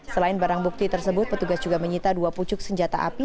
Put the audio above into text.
selain barang bukti tersebut petugas juga menyita dua pucuk senjata api